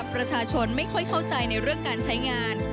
ประชาชนไม่ค่อยเข้าใจในเรื่องการใช้งาน